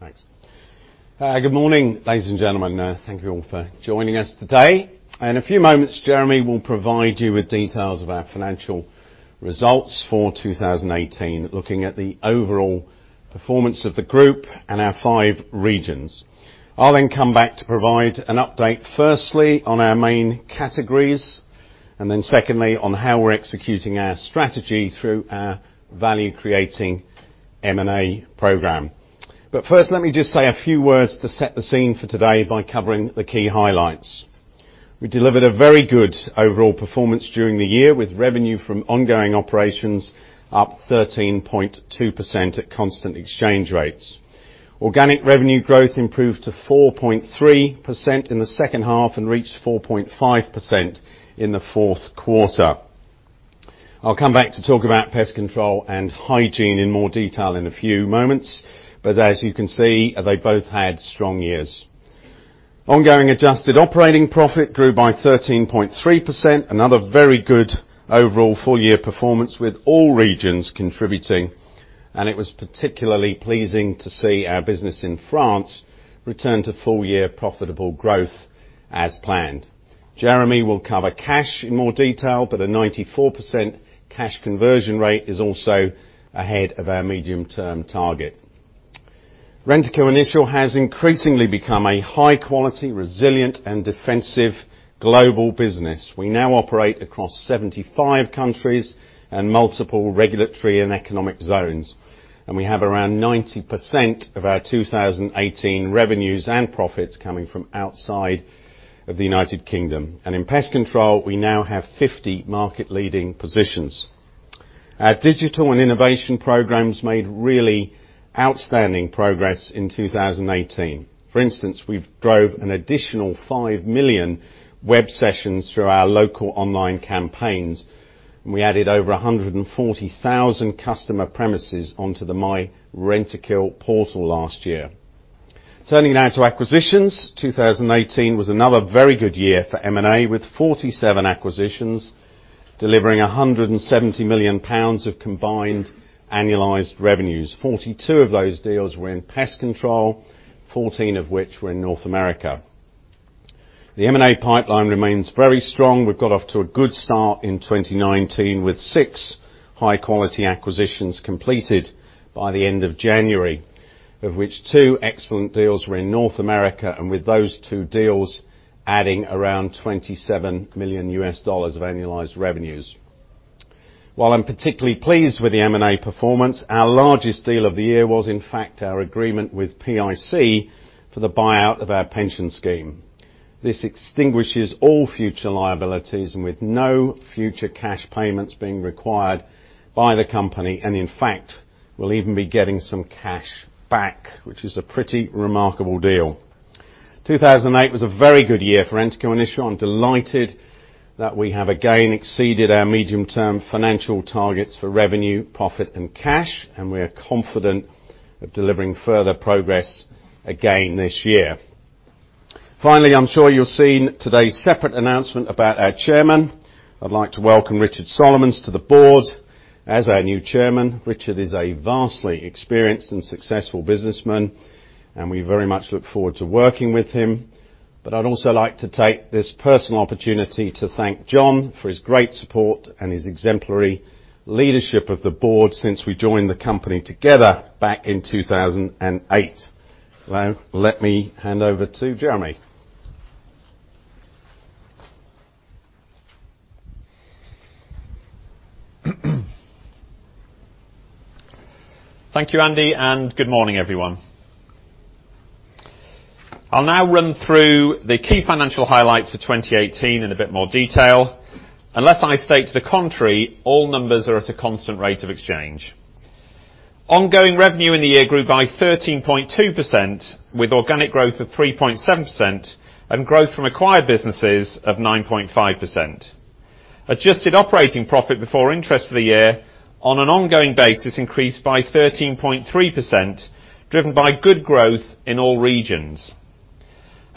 Lastly, could you please ensure your mobile phones are turned off? Thank you. Thanks. Good morning, ladies and gentlemen. Thank you all for joining us today. In a few moments, Jeremy will provide you with details of our financial results for 2018, looking at the overall performance of the group and our five regions. I'll then come back to provide an update, firstly, on our main categories, and then secondly on how we're executing our strategy through our value-creating M&A program. First, let me just say a few words to set the scene for today by covering the key highlights. We delivered a very good overall performance during the year, with revenue from ongoing operations up 13.2% at constant exchange rates. Organic revenue growth improved to 4.3% in the second half and reached 4.5% in the fourth quarter. I'll come back to talk about Pest Control and Hygiene in more detail in a few moments. As you can see, they both had strong years. Ongoing adjusted operating profit grew by 13.3%, another very good overall full-year performance with all regions contributing. It was particularly pleasing to see our business in France return to full year profitable growth as planned. Jeremy will cover cash in more detail. A 94% cash conversion rate is also ahead of our medium-term target. Rentokil Initial has increasingly become a high-quality, resilient, and defensive global business. We now operate across 75 countries and multiple regulatory and economic zones. We have around 90% of our 2018 revenues and profits coming from outside of the U.K. In Pest Control, we now have 50 market-leading positions. Our digital and innovation programs made really outstanding progress in 2018. For instance, we've drove an additional 5 million web sessions through our local online campaigns, and we added over 140,000 customer premises onto the myRentokil portal last year. Turning now to acquisitions. 2018 was another very good year for M&A, with 47 acquisitions, delivering 170 million pounds of combined annualized revenues. 42 of those deals were in Pest Control, 14 of which were in North America. The M&A pipeline remains very strong. We've got off to a good start in 2019, with six high-quality acquisitions completed by the end of January, of which two excellent deals were in North America, and with those two deals adding around $27 million of annualized revenues. While I'm particularly pleased with the M&A performance, our largest deal of the year was, in fact, our agreement with PIC for the buyout of our pension scheme. This extinguishes all future liabilities and with no future cash payments being required by the company, and in fact, we'll even be getting some cash back, which is a pretty remarkable deal. 2008 was a very good year for Rentokil Initial. I'm delighted that we have again exceeded our medium-term financial targets for revenue, profit, and cash, and we are confident of delivering further progress again this year. Finally, I'm sure you've seen today's separate announcement about our chairman. I'd like to welcome Richard Solomons to the board as our new chairman. Richard is a vastly experienced and successful businessman, and we very much look forward to working with him. I'd also like to take this personal opportunity to thank John for his great support and his exemplary leadership of the board since we joined the company together back in 2008. Now, let me hand over to Jeremy. Thank you, Andy, and good morning, everyone. I'll now run through the key financial highlights for 2018 in a bit more detail. Unless I state to the contrary, all numbers are at a constant rate of exchange. Ongoing revenue in the year grew by 13.2%, with organic growth of 3.7% and growth from acquired businesses of 9.5%. Adjusted operating profit before interest for the year on an ongoing basis increased by 13.3%, driven by good growth in all regions.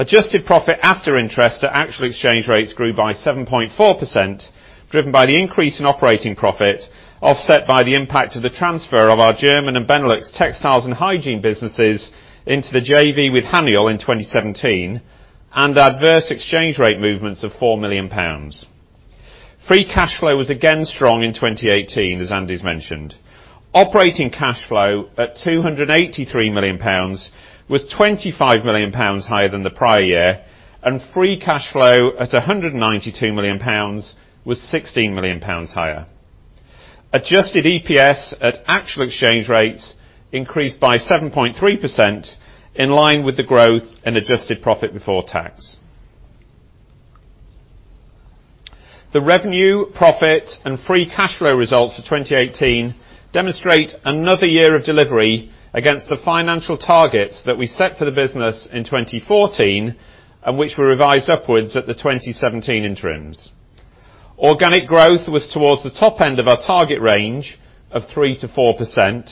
Adjusted profit after interest at actual exchange rates grew by 7.4%, driven by the increase in operating profit, offset by the impact of the transfer of our German and Benelux textiles and hygiene businesses into the JV with Haniel in 2017, and adverse exchange rate movements of 4 million pounds. Free cash flow was again strong in 2018, as Andy's mentioned. Operating cash flow at GBP 283 million was GBP 25 million higher than the prior year, and free cash flow at GBP 192 million was GBP 16 million higher. Adjusted EPS at actual exchange rates increased by 7.3%, in line with the growth and adjusted profit before tax. The revenue, profit, and free cash flow results for 2018 demonstrate another year of delivery against the financial targets that we set for the business in 2014 and which were revised upwards at the 2017 interims. Organic growth was towards the top end of our target range of 3%-4%,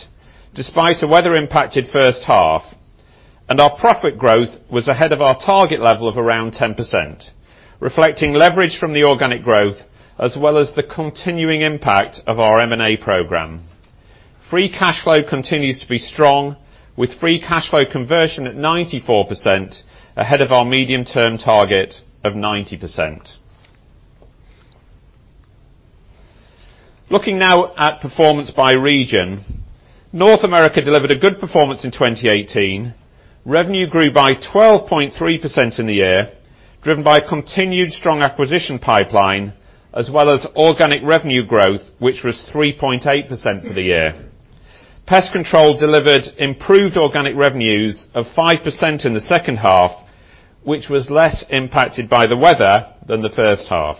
despite a weather-impacted first half. Our profit growth was ahead of our target level of around 10%, reflecting leverage from the organic growth, as well as the continuing impact of our M&A program. Free cash flow continues to be strong, with free cash flow conversion at 94%, ahead of our medium-term target of 90%. Looking now at performance by region, North America delivered a good performance in 2018. Revenue grew by 12.3% in the year, driven by a continued strong acquisition pipeline, as well as organic revenue growth, which was 3.8% for the year. Pest Control delivered improved organic revenues of 5% in the second half, which was less impacted by the weather than the first half.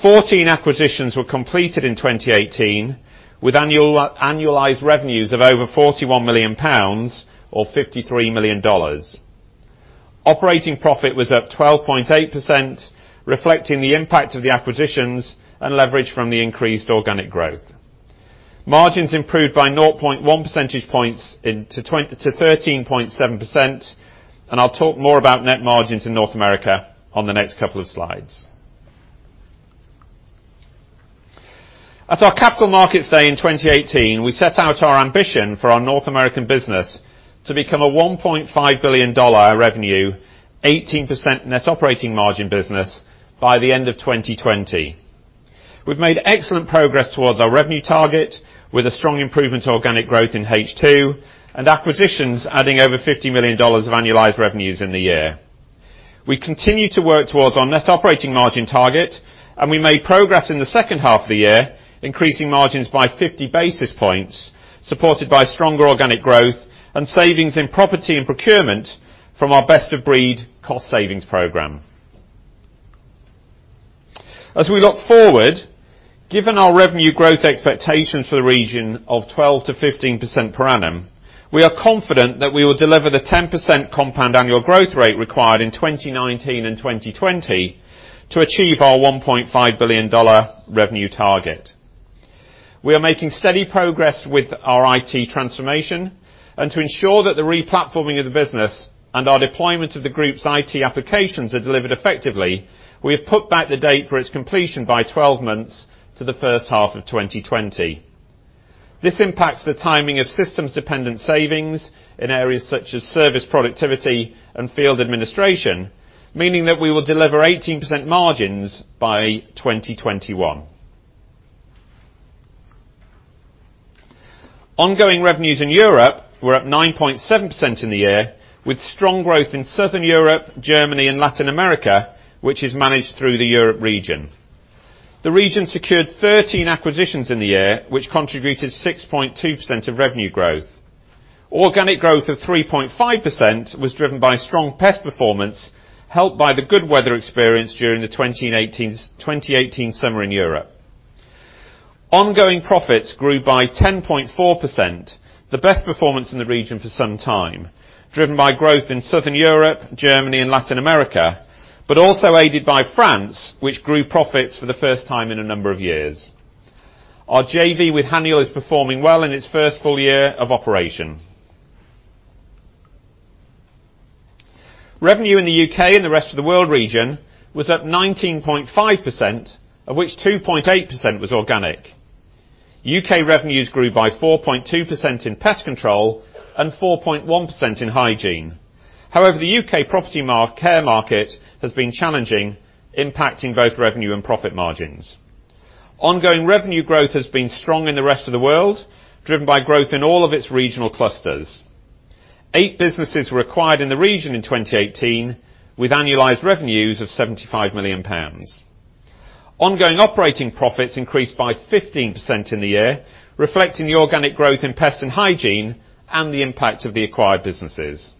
14 acquisitions were completed in 2018, with annualized revenues of over 41 million pounds, or $53 million. Operating profit was up 12.8%, reflecting the impact of the acquisitions and leverage from the increased organic growth. Margins improved by 0.1 percentage points to 13.7%, and I'll talk more about net margins in North America on the next couple of slides. At our capital markets day in 2018, we set out our ambition for our North American business to become a $1.5 billion revenue, 18% net operating margin business by the end of 2020. We've made excellent progress towards our revenue target, with a strong improvement organic growth in H2 and acquisitions adding over $50 million of annualized revenues in the year. We continue to work towards our net operating margin target, and we made progress in the second half of the year, increasing margins by 50 basis points, supported by stronger organic growth and savings in property and procurement from our Best of Breed cost savings program. As we look forward, given our revenue growth expectations for the region of 12%-15% per annum, we are confident that we will deliver the 10% compound annual growth rate required in 2019 and 2020 to achieve our $1.5 billion revenue target. To ensure that the re-platforming of the business and our deployment of the group's IT applications are delivered effectively, we have put back the date for its completion by 12 months to the first half of 2020. This impacts the timing of systems-dependent savings in areas such as service productivity and field administration, meaning that we will deliver 18% margins by 2021. Ongoing revenues in Europe were up 9.7% in the year, with strong growth in Southern Europe, Germany, and Latin America, which is managed through the Europe region. The region secured 13 acquisitions in the year, which contributed 6.2% of revenue growth. Organic growth of 3.5% was driven by strong pest performance, helped by the good weather experienced during the 2018 summer in Europe. Ongoing profits grew by 10.4%, the best performance in the region for some time, driven by growth in Southern Europe, Germany, and Latin America. Also aided by France, which grew profits for the first time in a number of years. Our JV with Haniel is performing well in its first full year of operation. Revenue in the U.K. and the rest of the world region was up 19.5%, of which 2.8% was organic. U.K. revenues grew by 4.2% in Pest Control and 4.1% in Hygiene. However, the U.K. Property Care market has been challenging, impacting both revenue and profit margins. Ongoing revenue growth has been strong in the rest of the world, driven by growth in all of its regional clusters. Eight businesses were acquired in the region in 2018, with annualized revenues of 75 million pounds. Ongoing operating profits increased by 15% in the year, reflecting the organic growth in Pest and Hygiene and the impact of the acquired businesses.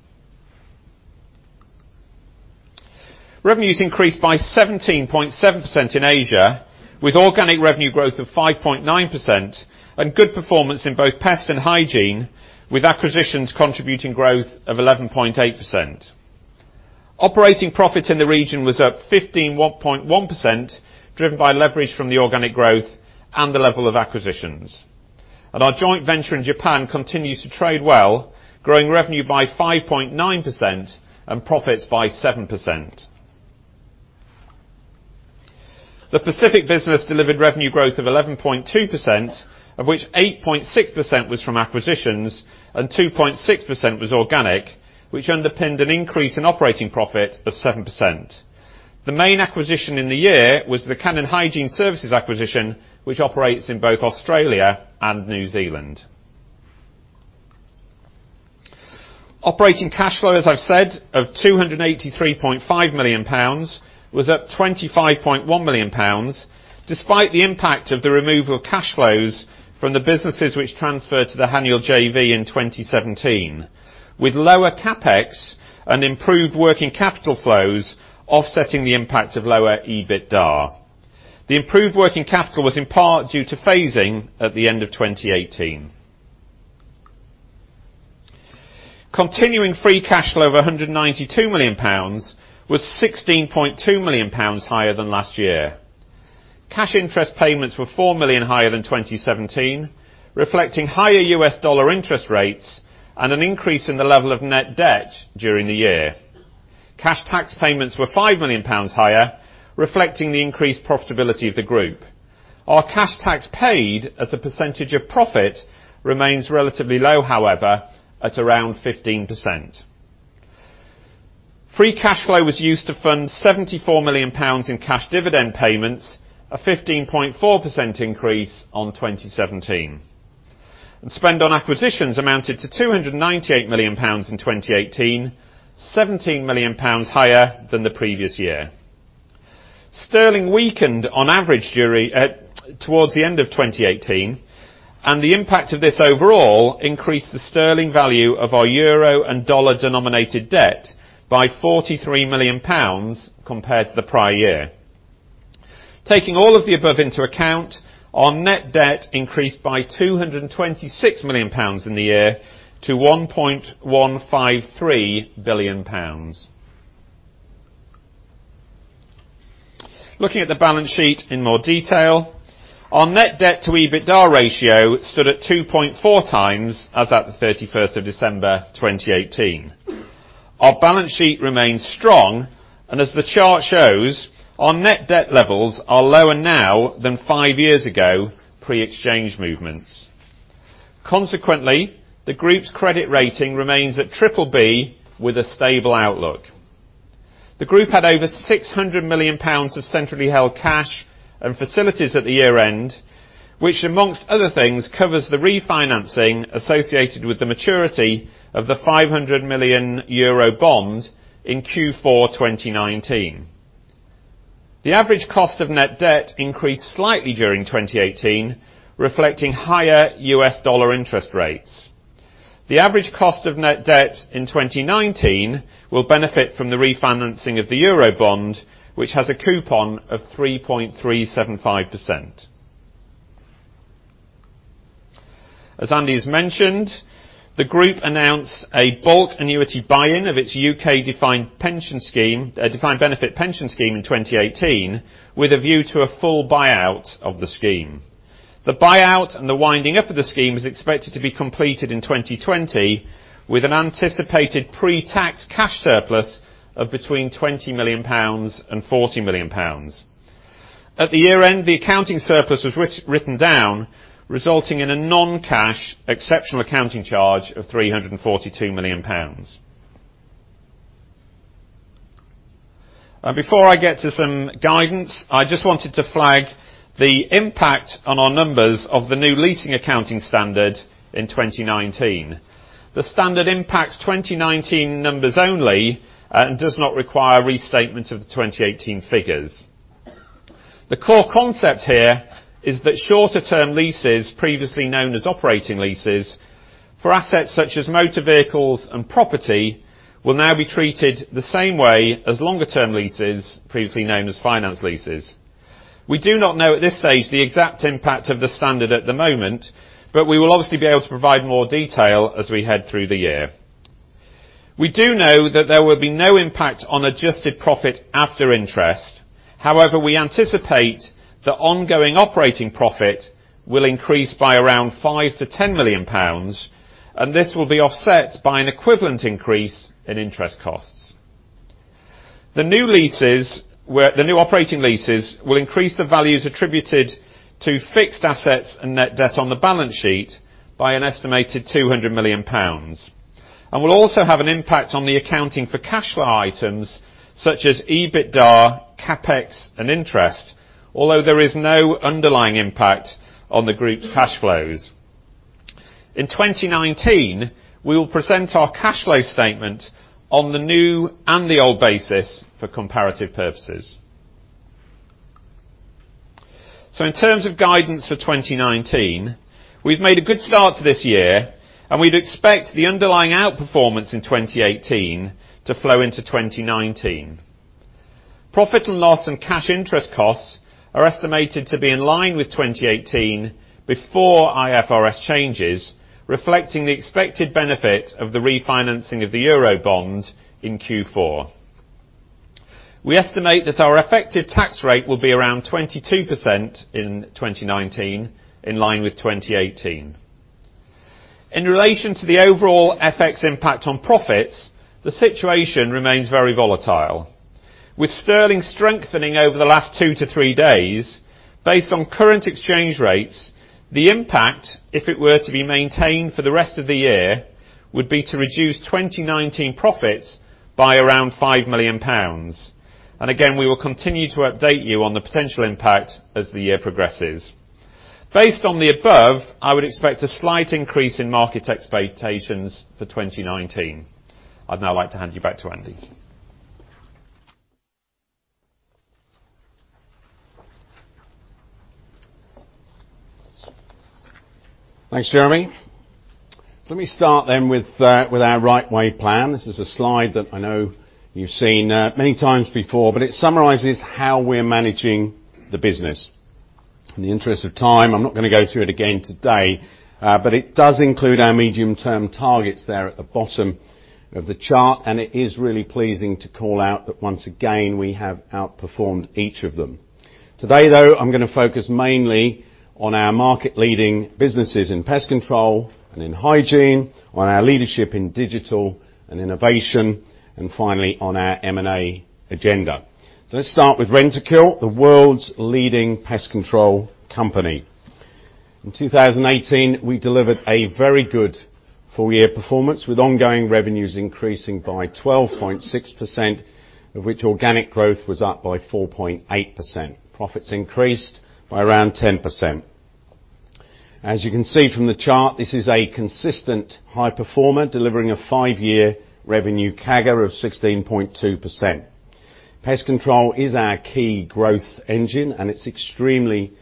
Revenues increased by 17.7% in Asia, with organic revenue growth of 5.9% and good performance in both Pest and Hygiene, with acquisitions contributing growth of 11.8%. Operating profit in the region was up 15.1%, driven by leverage from the organic growth and the level of acquisitions. Our joint venture in Japan continues to trade well, growing revenue by 5.9% and profits by 7%. The Pacific business delivered revenue growth of 11.2%, of which 8.6% was from acquisitions and 2.6% was organic, which underpinned an increase in operating profit of 7%. The main acquisition in the year was the Cannon Hygiene Services acquisition, which operates in both Australia and New Zealand. Operating cash flow, as I've said, of 283.5 million pounds, was up 25.1 million pounds, despite the impact of the removal of cash flows from the businesses which transferred to the Haniel JV in 2017, with lower CapEx and improved working capital flows offsetting the impact of lower EBITDA. The improved working capital was in part due to phasing at the end of 2018. Continuing free cash flow of 192 million pounds was 16.2 million pounds higher than last year. Cash interest payments were 4 million higher than 2017, reflecting higher U.S. dollar interest rates and an increase in the level of net debt during the year. Cash tax payments were 5 million pounds higher, reflecting the increased profitability of the group. Our cash tax paid as a percentage of profit remains relatively low, however, at around 15%. Free cash flow was used to fund 74 million pounds in cash dividend payments, a 15.4% increase on 2017. Spend on acquisitions amounted to 298 million pounds in 2018, 17 million pounds higher than the previous year. The impact of this overall increased the sterling value of our euro and dollar-denominated debt by 43 million pounds compared to the prior year. Taking all of the above into account, our net debt increased by 226 million pounds in the year to 1.153 billion pounds. Looking at the balance sheet in more detail, our net debt to EBITDA ratio stood at 2.4 times as at the 31st of December 2018. Our balance sheet remains strong. As the chart shows, our net debt levels are lower now than five years ago, pre-exchange movements. Consequently, the group's credit rating remains at triple B with a stable outlook. The group had over 600 million pounds of centrally held cash and facilities at the year-end, which amongst other things, covers the refinancing associated with the maturity of the 500 million euro bond in Q4 2019. The average cost of net debt increased slightly during 2018, reflecting higher US dollar interest rates. The average cost of net debt in 2019 will benefit from the refinancing of the euro bond, which has a coupon of 3.375%. As Andy has mentioned, the group announced a bulk annuity buy-in of its UK defined benefit pension scheme in 2018, with a view to a full buyout of the scheme. The buyout and the winding up of the scheme is expected to be completed in 2020, with an anticipated pre-tax cash surplus of between 20 million pounds and 40 million pounds. At the year-end, the accounting surplus was written down, resulting in a non-cash exceptional accounting charge of 342 million pounds. Before I get to some guidance, I just wanted to flag the impact on our numbers of the new leasing accounting standard in 2019. The standard impacts 2019 numbers only, and does not require restatement of the 2018 figures. The core concept here is that shorter-term leases, previously known as operating leases, for assets such as motor vehicles and property will now be treated the same way as longer-term leases, previously known as finance leases. We do not know at this stage the exact impact of the standard at the moment, but we will obviously be able to provide more detail as we head through the year. We do know that there will be no impact on adjusted profit after interest. However, we anticipate that ongoing operating profit will increase by around 5 million-10 million pounds, and this will be offset by an equivalent increase in interest costs. The new operating leases will increase the values attributed to fixed assets and net debt on the balance sheet by an estimated 200 million pounds. It will also have an impact on the accounting for cash flow items such as EBITDA, CapEx, and interest, although there is no underlying impact on the group's cash flows. In 2019, we will present our cash flow statement on the new and the old basis for comparative purposes. In terms of guidance for 2019, we've made a good start to this year, and we'd expect the underlying outperformance in 2018 to flow into 2019. Profit and loss and cash interest costs are estimated to be in line with 2018 before IFRS changes, reflecting the expected benefit of the refinancing of the EUR bond in Q4. We estimate that our effective tax rate will be around 22% in 2019, in line with 2018. In relation to the overall FX impact on profits, the situation remains very volatile. With sterling strengthening over the last two to three days, based on current exchange rates, the impact, if it were to be maintained for the rest of the year, would be to reduce 2019 profits by around 5 million pounds. Again, we will continue to update you on the potential impact as the year progresses. Based on the above, I would expect a slight increase in market expectations for 2019. I'd now like to hand you back to Andy. Thanks, Jeremy. Let me start then with our The Right Way plan. This is a slide that I know you've seen many times before, but it summarizes how we're managing the business. In the interest of time, I'm not going to go through it again today. It does include our medium term targets there at the bottom of the chart, and it is really pleasing to call out that once again, we have outperformed each of them. Today, though, I'm going to focus mainly on our market leading businesses in pest control and in hygiene, on our leadership in digital and innovation, and finally on our M&A agenda. Let's start with Rentokil, the world's leading pest control company. In 2018, we delivered a very good full year performance, with ongoing revenues increasing by 12.6%, of which organic growth was up by 4.8%. Profits increased by around 10%. As you can see from the chart, this is a consistent high performer, delivering a five-year revenue CAGR of 16.2%. Pest control is our key growth engine, and it's extremely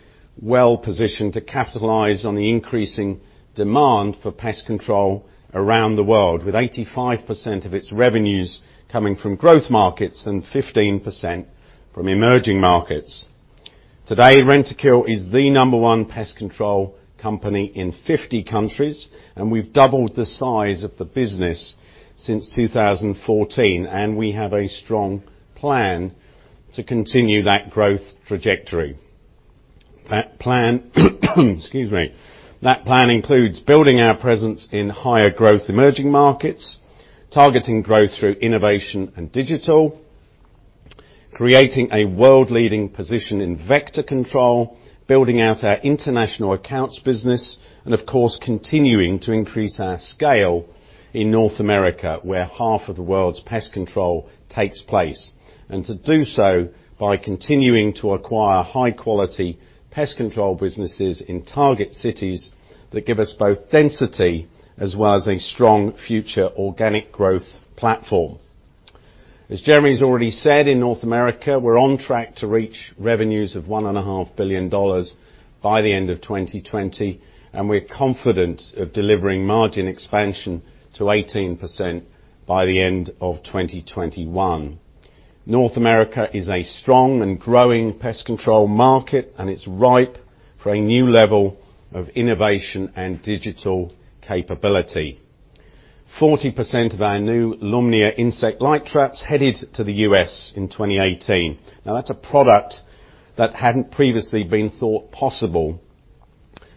well-positioned to capitalize on the increasing demand for pest control around the world, with 85% of its revenues coming from growth markets and 15% from emerging markets. Today, Rentokil is the number one pest control company in 50 countries, and we've doubled the size of the business since 2014, and we have a strong plan to continue that growth trajectory. That plan includes building our presence in higher growth emerging markets, targeting growth through innovation and digital, creating a world leading position in Vector Control, building out our international accounts business, and of course, continuing to increase our scale in North America, where half of the world's pest control takes place. To do so by continuing to acquire high quality pest control businesses in target cities that give us both density as well as a strong future organic growth platform. As Jeremy's already said, in North America, we're on track to reach revenues of $1.5 billion by the end of 2020, and we're confident of delivering margin expansion to 18% by the end of 2021. North America is a strong and growing pest control market, and it's ripe for a new level of innovation and digital capability. 40% of our new Lumnia insect light traps headed to the U.S. in 2018. That's a product that hadn't previously been thought possible,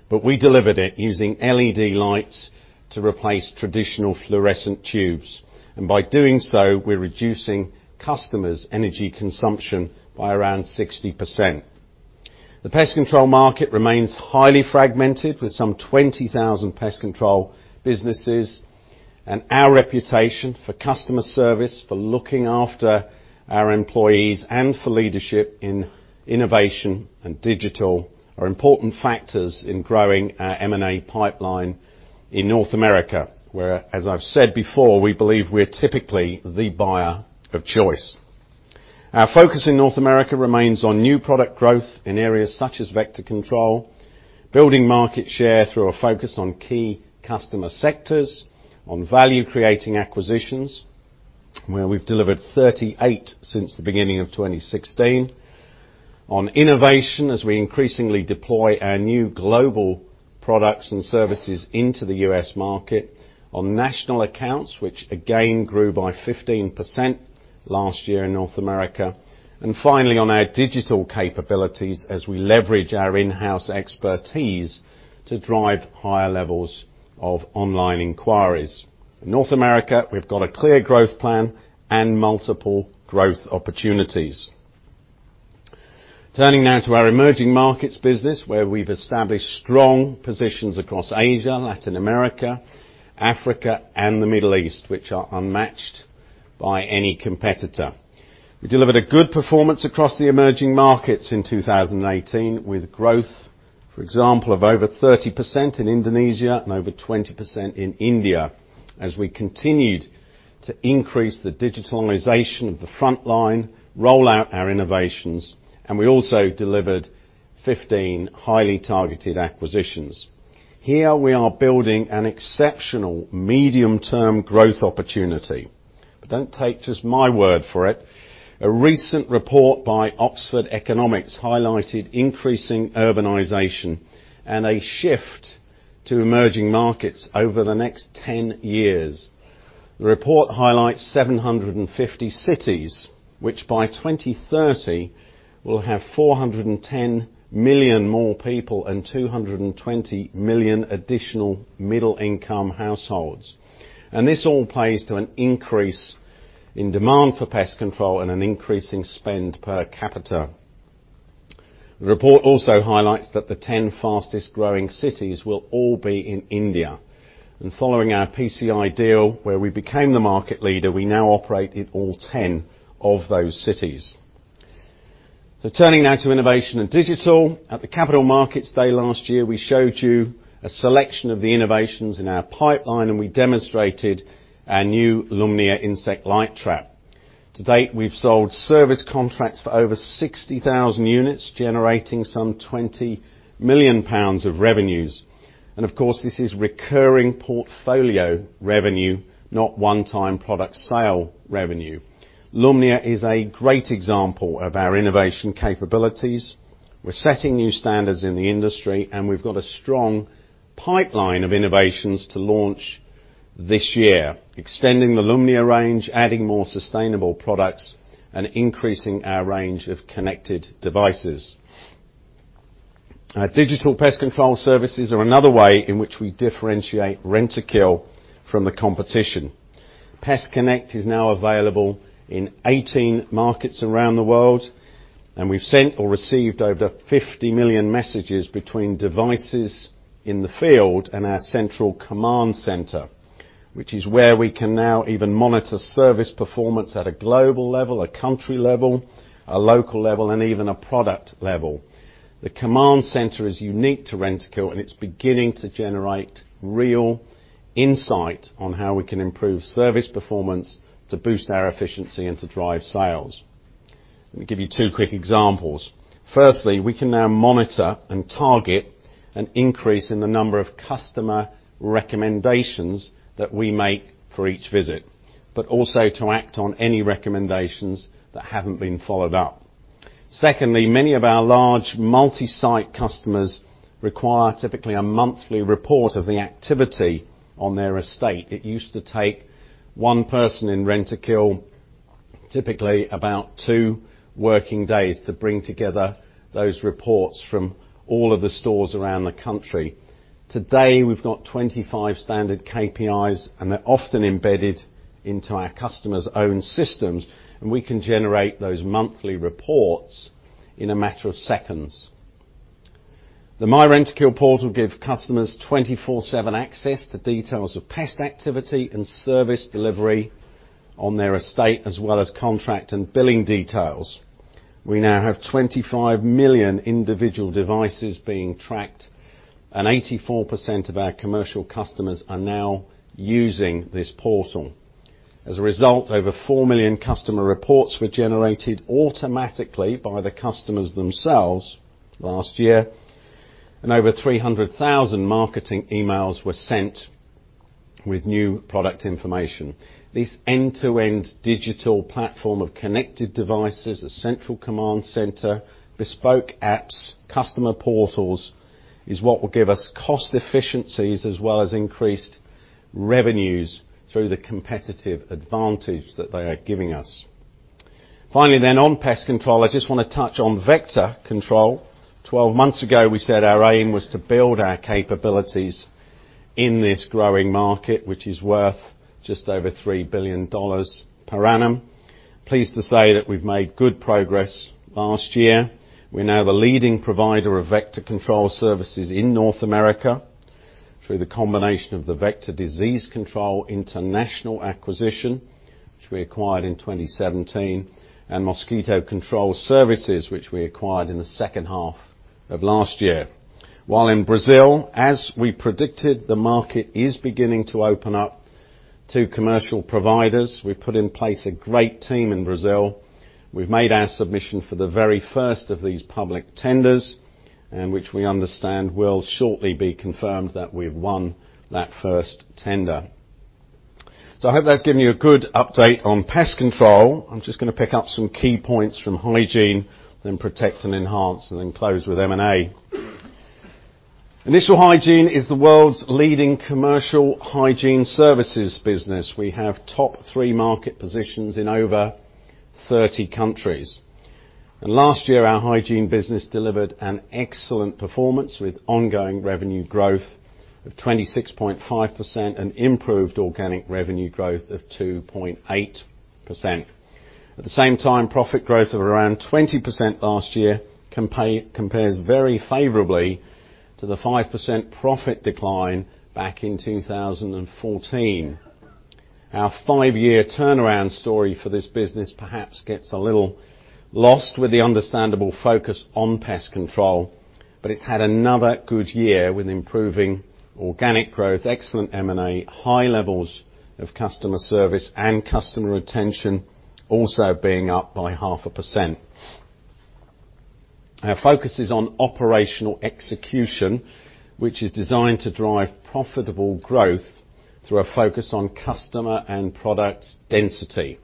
but we delivered it using LED lights to replace traditional fluorescent tubes. By doing so, we're reducing customers' energy consumption by around 60%. The pest control market remains highly fragmented, with some 20,000 pest control businesses. Our reputation for customer service, for looking after our employees, and for leadership in innovation and digital are important factors in growing our M&A pipeline in North America, where, as I've said before, we believe we're typically the buyer of choice. Our focus in North America remains on new product growth in areas such as vector control, building market share through a focus on key customer sectors, on value creating acquisitions, where we've delivered 38 since the beginning of 2016, on innovation, as we increasingly deploy our new global products and services into the U.S. market, on national accounts, which again grew by 15% last year in North America. Finally, on our digital capabilities as we leverage our in-house expertise to drive higher levels of online inquiries. In North America, we've got a clear growth plan and multiple growth opportunities. Turning now to our emerging markets business, where we've established strong positions across Asia, Latin America, Africa, and the Middle East, which are unmatched by any competitor. We delivered a good performance across the emerging markets in 2018, with growth, for example, of over 30% in Indonesia and over 20% in India as we continued to increase the digitalization of the frontline, roll out our innovations, and we also delivered 15 highly targeted acquisitions. Here, we are building an exceptional medium-term growth opportunity. Don't take just my word for it. A recent report by Oxford Economics highlighted increasing urbanization and a shift to emerging markets over the next 10 years. The report highlights 750 cities, which by 2030 will have 410 million more people and 220 million additional middle-income households. This all plays to an increase in demand for pest control and an increasing spend per capita. The report also highlights that the 10 fastest growing cities will all be in India, and following our PCI deal, where we became the market leader, we now operate in all 10 of those cities. Turning now to innovation and digital. At the Capital Markets Day last year, we showed you a selection of the innovations in our pipeline, and we demonstrated our new Lumnia insect light trap. To date, we've sold service contracts for over 60,000 units, generating some 20 million pounds of revenues. Of course, this is recurring portfolio revenue, not one-time product sale revenue. Lumnia is a great example of our innovation capabilities. We're setting new standards in the industry, and we've got a strong pipeline of innovations to launch this year, extending the Lumnia range, adding more sustainable products, and increasing our range of connected devices. Our digital pest control services are another way in which we differentiate Rentokil from the competition. PestConnect is now available in 18 markets around the world, and we've sent or received over 50 million messages between devices in the field and our central command center, which is where we can now even monitor service performance at a global level, a country level, a local level, and even a product level. The command center is unique to Rentokil, and it's beginning to generate real insight on how we can improve service performance to boost our efficiency and to drive sales. Let me give you two quick examples. We can now monitor and target an increase in the number of customer recommendations that we make for each visit, but also to act on any recommendations that haven't been followed up. Many of our large multi-site customers require typically a monthly report of the activity on their estate. It used to take one person in Rentokil typically about two working days to bring together those reports from all of the stores around the country. Today, we've got 25 standard KPIs, and they're often embedded into our customers' own systems, and we can generate those monthly reports in a matter of seconds. The myRentokil portal give customers 24/7 access to details of pest activity and service delivery on their estate, as well as contract and billing details. We now have 25 million individual devices being tracked, and 84% of our commercial customers are now using this portal. As a result, over four million customer reports were generated automatically by the customers themselves last year, and over 300,000 marketing emails were sent with new product information. This end-to-end digital platform of connected devices, a central command center, bespoke apps, customer portals is what will give us cost efficiencies as well as increased revenues through the competitive advantage that they are giving us. On Pest Control, I just want to touch on Vector Control. Twelve months ago, we said our aim was to build our capabilities in this growing market, which is worth just over $3 billion per annum. Pleased to say that we've made good progress last year. We're now the leading provider of Vector Control services in North America through the combination of the Vector Disease Control International acquisition, which we acquired in 2017, and Mosquito Control Services, which we acquired in the second half of last year. While in Brazil, as we predicted, the market is beginning to open up to commercial providers. We put in place a great team in Brazil. We've made our submission for the very first of these public tenders, and which we understand will shortly be confirmed that we've won that first tender. I hope that's given you a good update on Pest Control. I'm just going to pick up some key points from Hygiene, then Protect & Enhance, and then close with M&A. Initial Hygiene is the world's leading commercial hygiene services business. We have top three market positions in over 30 countries. Last year, our Hygiene business delivered an excellent performance with ongoing revenue growth of 26.5% and improved organic revenue growth of 2.8%. At the same time, profit growth of around 20% last year compares very favorably to the 5% profit decline back in 2014. Our five-year turnaround story for this business perhaps gets a little lost with the understandable focus on Pest Control, but it's had another good year with improving organic growth, excellent M&A, high levels of customer service, and customer retention also being up by half a percent. Our focus is on operational execution, which is designed to drive profitable growth through a focus on customer and product density.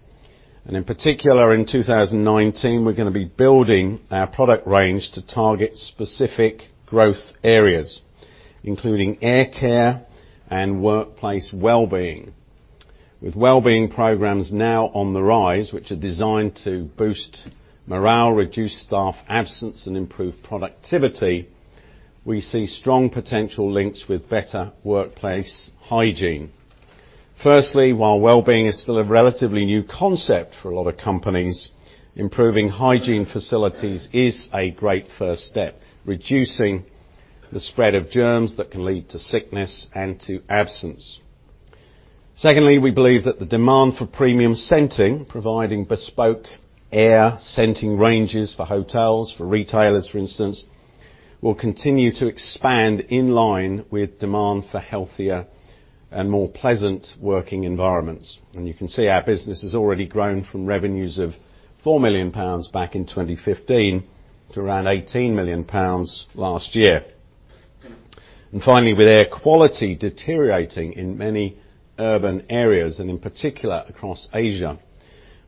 In particular, in 2019, we're going to be building our product range to target specific growth areas, including air care and workplace well-being. With well-being programs now on the rise, which are designed to boost morale, reduce staff absence, and improve productivity, we see strong potential links with better workplace hygiene. Firstly, while well-being is still a relatively new concept for a lot of companies, improving hygiene facilities is a great first step, reducing the spread of germs that can lead to sickness and to absence. Secondly, we believe that the demand for premium scenting, providing bespoke air scenting ranges for hotels, for retailers, for instance, will continue to expand in line with demand for healthier and more pleasant working environments. You can see our business has already grown from revenues of 4 million pounds back in 2015 to around 18 million pounds last year. Finally, with air quality deteriorating in many urban areas, and in particular across Asia,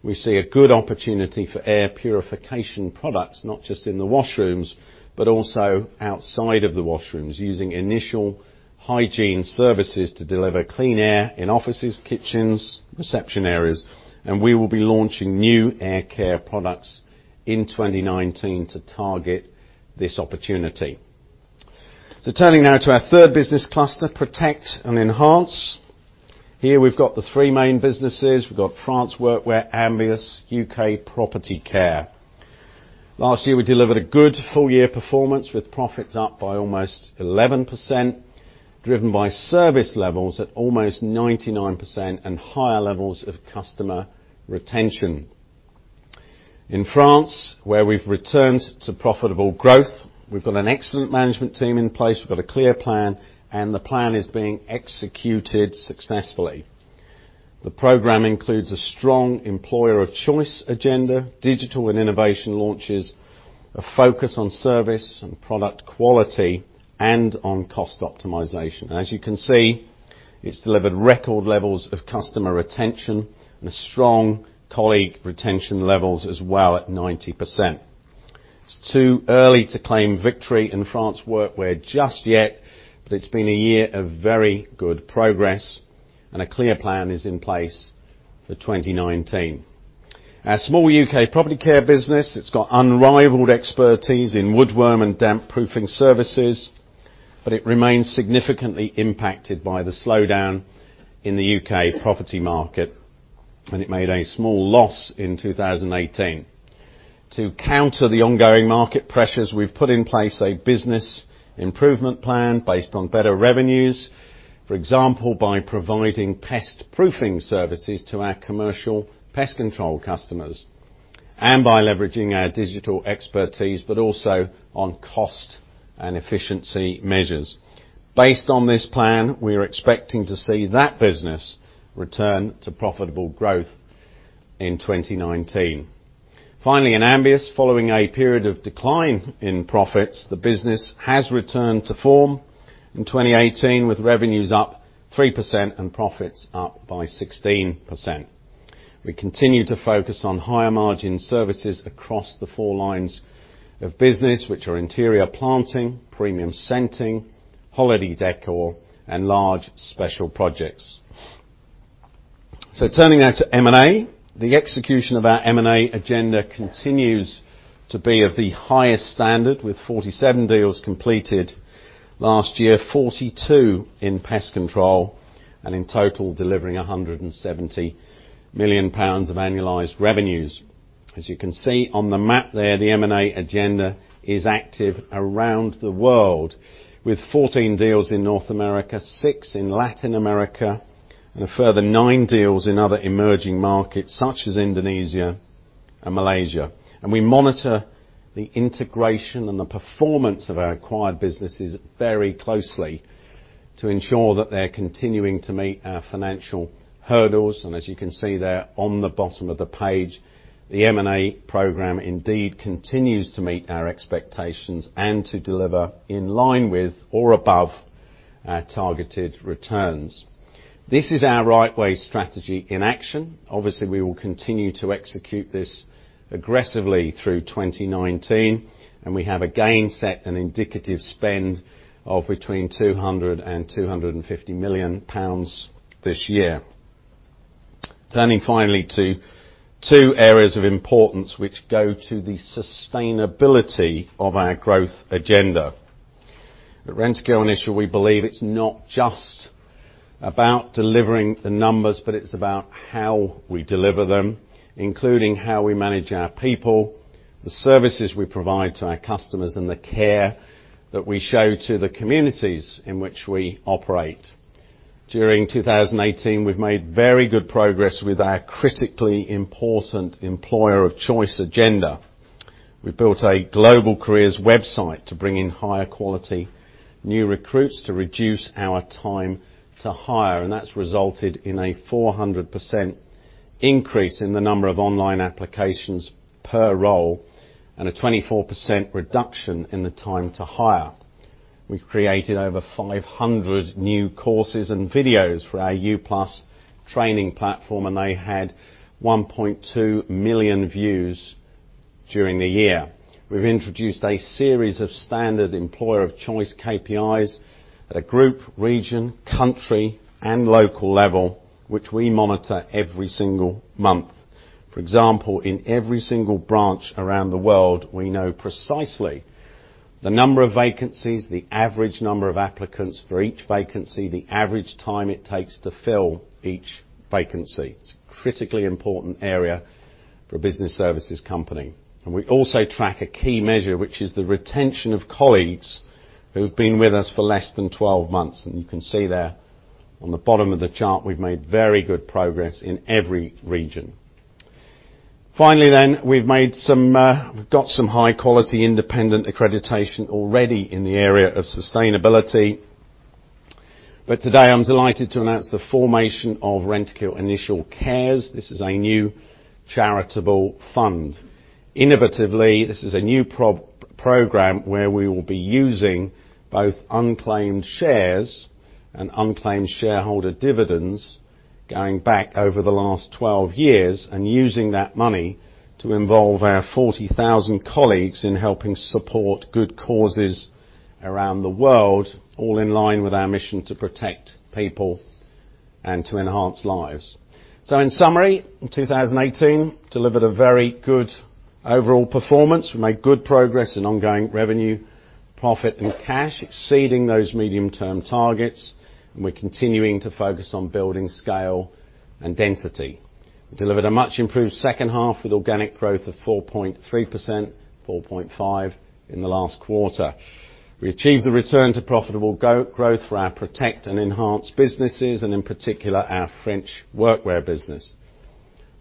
we see a good opportunity for air purification products, not just in the washrooms, but also outside of the washrooms, using Initial Hygiene services to deliver clean air in offices, kitchens, reception areas. We will be launching new air care products in 2019 to target this opportunity. Turning now to our third business cluster, Protect & Enhance. Here we've got the three main businesses. We've got France Workwear, Ambius, UK Property Care. Last year, we delivered a good full year performance with profits up by almost 11%, driven by service levels at almost 99% and higher levels of customer retention. In France, where we've returned to profitable growth, we've got an excellent management team in place, we've got a clear plan, the plan is being executed successfully. The program includes a strong employer of choice agenda, digital and innovation launches, a focus on service and product quality, and on cost optimization. As you can see, it's delivered record levels of customer retention and strong colleague retention levels as well at 90%. It's too early to claim victory in France Workwear just yet, but it's been a year of very good progress, and a clear plan is in place for 2019. Our small UK Property Care business, it's got unrivaled expertise in woodworm and damp-proofing services, but it remains significantly impacted by the slowdown in the U.K. property market, and it made a small loss in 2018. To counter the ongoing market pressures, we've put in place a business improvement plan based on better revenues, for example, by providing Pest Control services to our commercial Pest Control customers and by leveraging our digital expertise, but also on cost and efficiency measures. Based on this plan, we are expecting to see that business return to profitable growth in 2019. Finally, in Ambius, following a period of decline in profits, the business has returned to form in 2018, with revenues up 3% and profits up by 16%. We continue to focus on higher margin services across the four lines of business, which are interior planting, premium scenting, holiday decor, and large special projects. Turning now to M&A. The execution of our M&A agenda continues to be of the highest standard with 47 deals completed last year, 42 in Pest Control, and in total, delivering 170 million pounds of annualized revenues. As you can see on the map there, the M&A agenda is active around the world with 14 deals in North America, six in Latin America, and a further nine deals in other emerging markets such as Indonesia and Malaysia. We monitor the integration and the performance of our acquired businesses very closely to ensure that they're continuing to meet our financial hurdles. As you can see there on the bottom of the page, the M&A program indeed continues to meet our expectations and to deliver in line with or above our targeted returns. This is our Right Way strategy in action. Obviously, we will continue to execute this aggressively through 2019. We have again set an indicative spend of between 200 million pounds and 250 million pounds this year. Turning finally to two areas of importance which go to the sustainability of our growth agenda. At Rentokil Initial, we believe it's not just about delivering the numbers, but it's about how we deliver them, including how we manage our people, the services we provide to our customers, and the care that we show to the communities in which we operate. During 2018, we've made very good progress with our critically important employer of choice agenda. We've built a global careers website to bring in higher quality new recruits to reduce our time to hire. That's resulted in a 400% increase in the number of online applications per role and a 24% reduction in the time to hire. We've created over 500 new courses and videos for our U+ training platform. They had 1.2 million views during the year. We've introduced a series of standard employer of choice KPIs at a group, region, country, and local level, which we monitor every single month. For example, in every single branch around the world, we know precisely the number of vacancies, the average number of applicants for each vacancy, the average time it takes to fill each vacancy. It's a critically important area for a business services company. We also track a key measure, which is the retention of colleagues who've been with us for less than 12 months. You can see there on the bottom of the chart, we've made very good progress in every region. Finally, we've got some high-quality independent accreditation already in the area of sustainability. But today I'm delighted to announce the formation of Rentokil Initial Cares. This is a new charitable fund. Innovatively, this is a new program where we will be using both unclaimed shares and unclaimed shareholder dividends going back over the last 12 years, using that money to involve our 40,000 colleagues in helping support good causes around the world, all in line with our mission to protect people and to enhance lives. In summary, in 2018, delivered a very good overall performance. We made good progress in ongoing revenue, profit, and cash, exceeding those medium-term targets. We're continuing to focus on building scale and density. We delivered a much-improved second half with organic growth of 4.3%, 4.5% in the last quarter. We achieved the return to profitable growth for our Protect & Enhance businesses, in particular, our France Workwear business.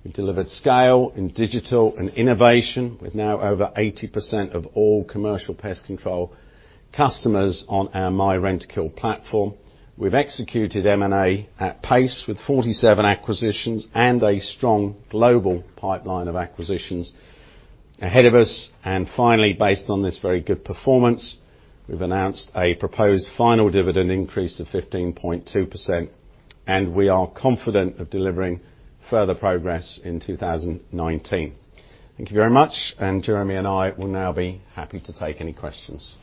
We delivered scale in digital and innovation with now over 80% of all commercial pest control customers on our myRentokil platform. We've executed M&A at pace with 47 acquisitions and a strong global pipeline of acquisitions ahead of us. Based on this very good performance, we've announced a proposed final dividend increase of 15.2%, and we are confident of delivering further progress in 2019. Thank you very much, and Jeremy and I will now be happy to take any questions.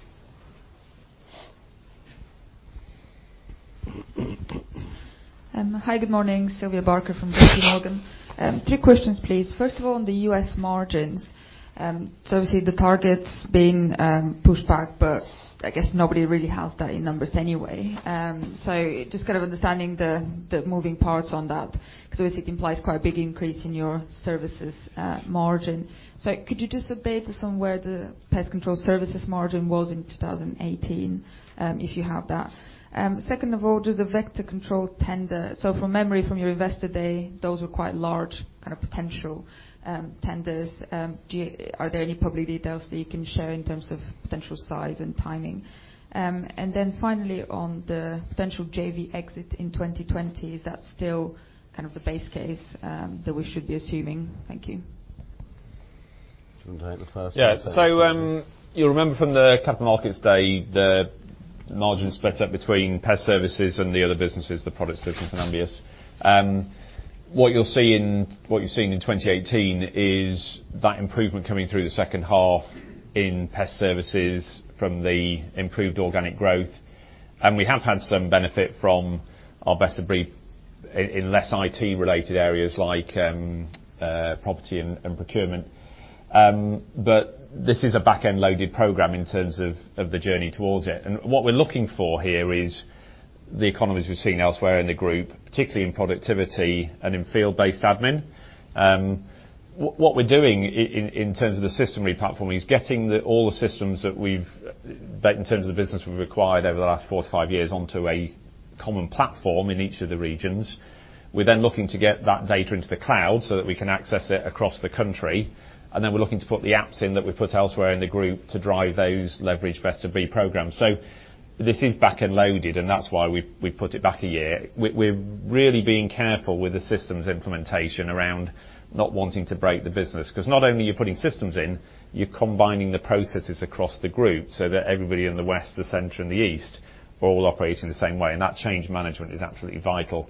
Hi, good morning, Sylvia Barker from JPMorgan. Three questions, please. First of all, on the U.S. margins, obviously the target's being pushed back, but I guess nobody really has that in numbers anyway. Just kind of understanding the moving parts on that, because obviously it implies quite a big increase in your services margin. Could you just update us on where the pest control services margin was in 2018, if you have that? Second of all, just the Vector Control tender. From memory from your Investor Day, those were quite large potential tenders. Are there any public details that you can share in terms of potential size and timing? Finally, on the potential JV exit in 2020, is that still the base case that we should be assuming? Thank you. Do you want to take the first one? Yeah. You'll remember from the Capital Markets Day, the margin split up between pest services and the other businesses, the products business and Ambius. What you're seeing in 2018 is that improvement coming through the second half in pest services from the improved organic growth. We have had some benefit from our Best of Breed in less IT related areas like property and procurement. This is a backend loaded program in terms of the journey towards it. What we're looking for here is the economies we've seen elsewhere in the group, particularly in productivity and in field-based admin. What we're doing in terms of the system replatforming is getting all the systems that in terms of the business we've acquired over the last four to five years onto a common platform in each of the regions. We're then looking to get that data into the cloud so that we can access it across the country. We're looking to put the apps in that we've put elsewhere in the group to drive those leverage Best of Breed programs. This is backend loaded, and that's why we've put it back a year. We're really being careful with the systems implementation around not wanting to break the business, because not only are you putting systems in, you're combining the processes across the group so that everybody in the west, the center, and the east are all operating the same way, and that change management is absolutely vital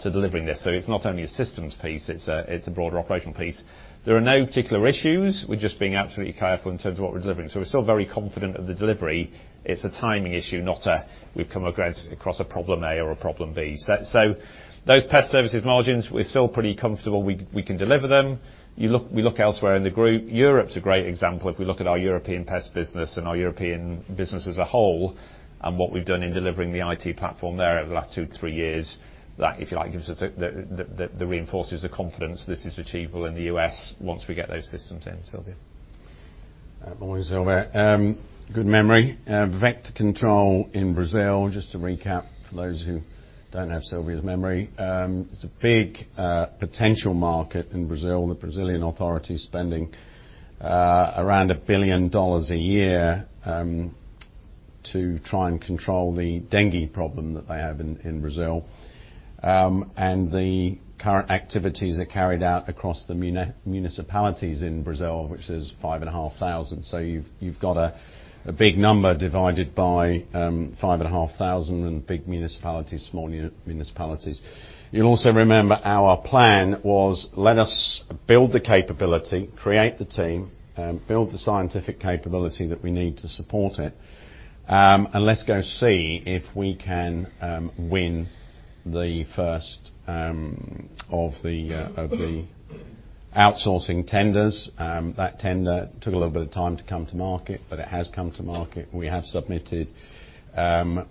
to delivering this. It's not only a systems piece, it's a broader operational piece. There are no particular issues. We're just being absolutely careful in terms of what we're delivering. We're still very confident of the delivery. It's a timing issue, not a we've come across a problem A or a problem B. Those pest services margins, we're still pretty comfortable we can deliver them. We look elsewhere in the group. Europe's a great example. If we look at our European pest business and our European business as a whole and what we've done in delivering the IT platform there over the last two to three years, that, if you like, gives us the reinforces the confidence this is achievable in the U.S. once we get those systems in, Sylvia. Morning, Sylvia. Good memory. Vector Control in Brazil, just to recap for those who don't have Sylvia's memory, it's a big potential market in Brazil, the Brazilian authorities spending around $1 billion a year to try and control the dengue problem that they have in Brazil. The current activities are carried out across the municipalities in Brazil, which is 5,500. You've got a big number divided by 5,500 and big municipalities, small municipalities. You'll also remember our plan was let us build the capability, create the team, build the scientific capability that we need to support it, and let's go see if we can win the first of the outsourcing tenders. That tender took a little bit of time to come to market, it has come to market. We have submitted.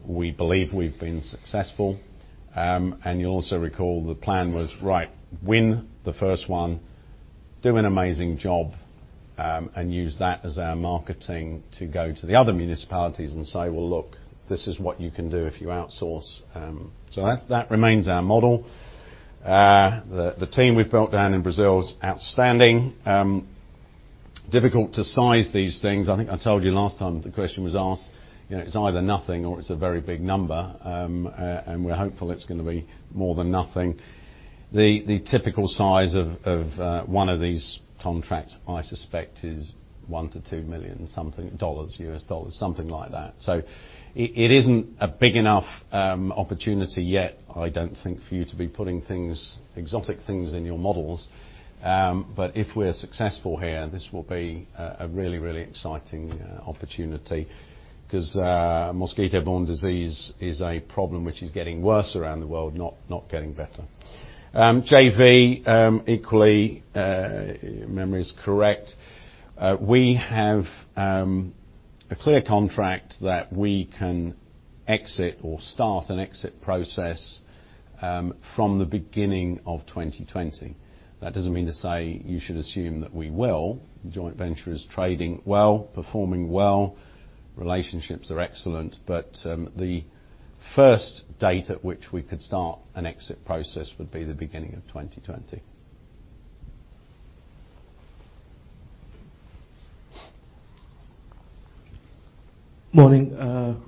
We believe we've been successful. You'll also recall the plan was right, win the first one, do an amazing job, and use that as our marketing to go to the other municipalities and say, "Well, look, this is what you can do if you outsource." That remains our model. The team we've built down in Brazil is outstanding. Difficult to size these things. I think I told you last time the question was asked, it's either nothing or it's a very big number. We're hopeful it's going to be more than nothing. The typical size of one of these contracts, I suspect, is $1 million-$2 million something U.S. dollars, something like that. It isn't a big enough opportunity yet, I don't think, for you to be putting exotic things in your models. If we're successful here, this will be a really, really exciting opportunity, because mosquito-borne disease is a problem which is getting worse around the world, not getting better. JV, equally, if memory is correct, we have a clear contract that we can exit or start an exit process from the beginning of 2020. That doesn't mean to say you should assume that we will. The joint venture is trading well, performing well, relationships are excellent, but the first date at which we could start an exit process would be the beginning of 2020. Morning.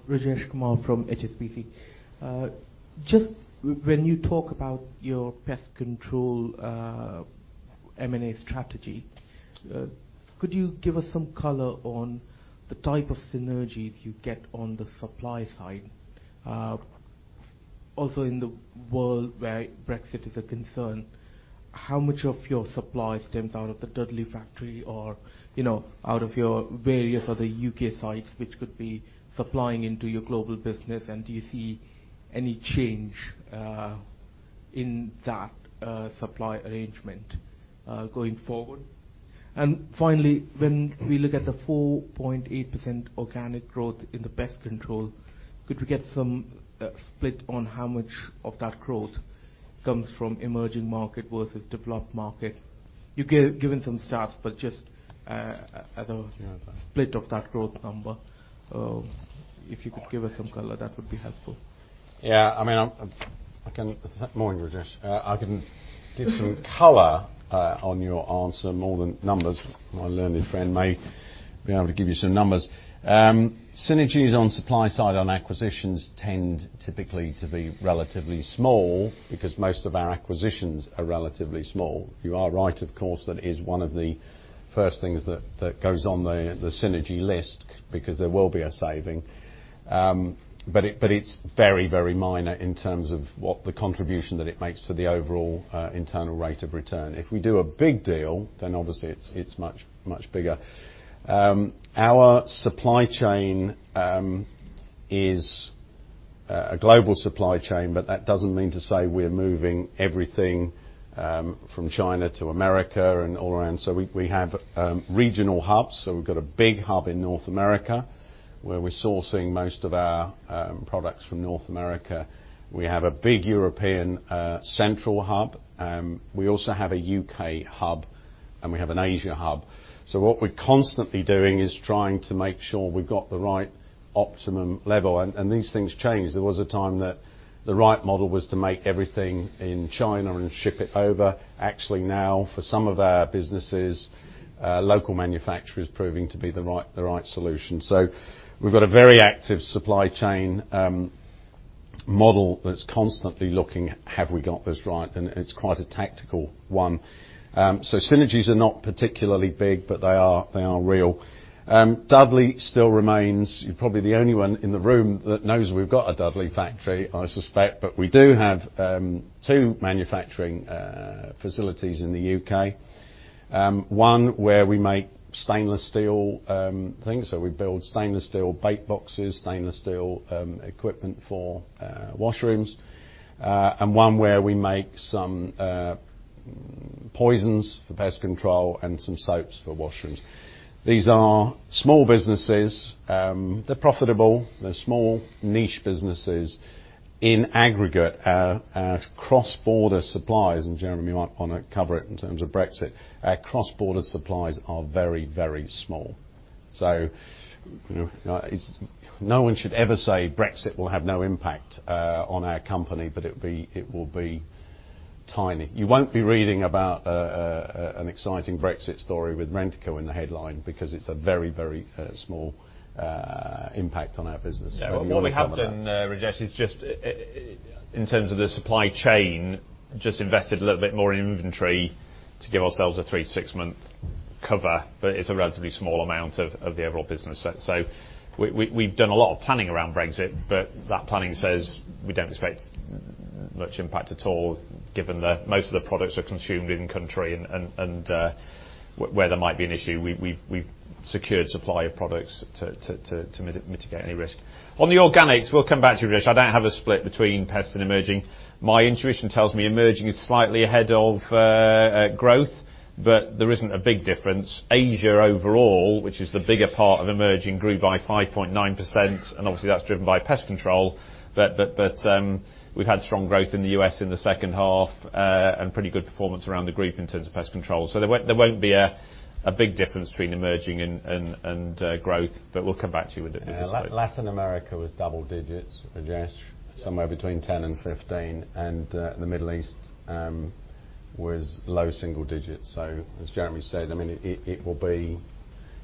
Rajesh Kumar from HSBC. Just when you talk about your Pest Control M&A strategy, could you give us some color on the type of synergies you get on the supply side? Also in the world where Brexit is a concern, how much of your supply stems out of the Dudley factory or out of your various other U.K. sites, which could be supplying into your global business, and do you see any change in that supply arrangement going forward? Finally, when we look at the 4.8% organic growth in the Pest Control, could we get some split on how much of that growth comes from emerging market versus developed market? You've given some stats, but just as a split of that growth number. If you could give us some color, that would be helpful. Yeah. Morning, Rajesh. I can give some color on your answer, more than numbers. My learned friend may be able to give you some numbers. Synergies on supply side on acquisitions tend typically to be relatively small because most of our acquisitions are relatively small. You are right, of course, that is one of the first things that goes on the synergy list, because there will be a saving. It's very minor in terms of what the contribution that it makes to the overall internal rate of return. If we do a big deal, obviously it's much bigger. Our supply chain is a global supply chain, but that doesn't mean to say we're moving everything from China to America and all around. We have regional hubs. We've got a big hub in North America where we're sourcing most of our products from North America. We have a big European central hub. We also have a U.K. hub and we have an Asia hub. What we're constantly doing is trying to make sure we've got the right optimum level. These things change. There was a time that the right model was to make everything in China and ship it over. Actually now, for some of our businesses, local manufacture is proving to be the right solution. We've got a very active supply chain model that's constantly looking, "Have we got this right?" It's quite a tactical one. Synergies are not particularly big, but they are real. Dudley still remains. You're probably the only one in the room that knows we've got a Dudley factory, I suspect. We do have two manufacturing facilities in the U.K. One where we make stainless steel things. We build stainless steel bait boxes, stainless steel equipment for washrooms. One where we make some poisons for pest control and some soaps for washrooms. These are small businesses. They're profitable. They're small niche businesses. In aggregate, our cross-border suppliers, and Jeremy, you might want to cover it in terms of Brexit. Our cross-border suppliers are very small. No one should ever say Brexit will have no impact on our company, but it will be tiny. You won't be reading about an exciting Brexit story with Rentokil in the headline because it's a very small impact on our business. You want to cover that. What we have done, Rajesh, in terms of the supply chain, just invested a little bit more in inventory to give ourselves a three to six month cover. It's a relatively small amount of the overall business. We've done a lot of planning around Brexit, but that planning says we don't expect much impact at all given that most of the products are consumed in country. Where there might be an issue, we've secured supply of products to mitigate any risk. On the organics, we'll come back to you, Rajesh. I don't have a split between pests and emerging. My intuition tells me emerging is slightly ahead of growth, but there isn't a big difference. Asia overall, which is the bigger part of emerging, grew by 5.9%, and obviously that's driven by pest control. We've had strong growth in the U.S. in the second half, and pretty good performance around the group in terms of pest control. There won't be a big difference between emerging and growth. We'll come back to you with the figures. Latin America was double digits, Rajesh. Somewhere between 10 and 15. The Middle East was low single digits. As Jeremy said, it will be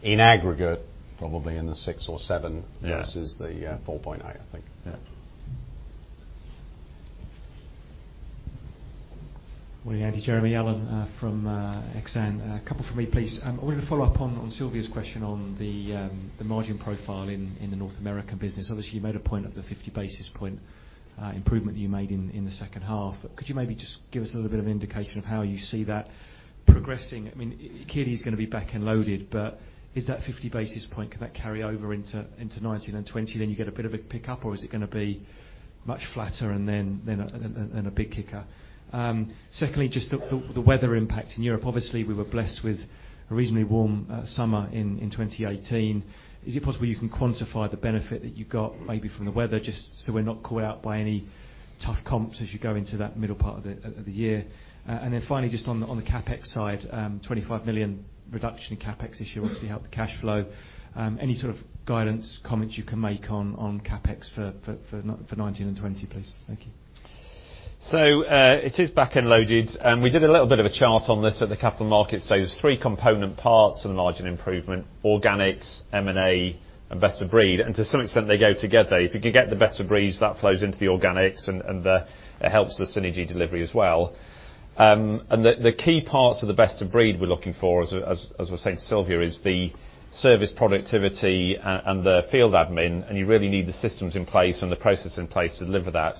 in aggregate probably in the six or seven versus the 4.8, I think. Yeah. Morning, Andy, Jeremy. Alan from Exane. A couple from me, please. I wanted to follow up on Sylvia's question on the margin profile in the North American business. Obviously, you made a point of the 50 basis point improvement you made in the second half. Could you maybe just give us a little bit of indication of how you see that progressing? Clearly, it's going to be back-end loaded, but is that 50 basis point, could that carry over into 2019 and 2020, then you get a bit of a pickup, or is it going to be much flatter and then a big kicker? Secondly, the weather impact in Europe. Obviously, we were blessed with a reasonably warm summer in 2018. Is it possible you can quantify the benefit that you got maybe from the weather, so we're not caught out by any tough comps as you go into that middle part of the year? Finally, on the CapEx side, 25 million reduction in CapEx this year obviously helped the cash flow. Any sort of guidance, comments you can make on CapEx for 2019 and 2020, please? Thank you. It is back-end loaded. We did a little bit of a chart on this at the capital markets stage. There's 3 component parts to the margin improvement: organics, M&A, and Best of Breed. To some extent they go together. If you can get the Best of Breed, that flows into the organics, and it helps the synergy delivery as well. The key parts of the Best of Breed we're looking for, as I was saying to Sylvia, is the service productivity and the field admin, and you really need the systems in place and the process in place to deliver that.